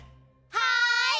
はい！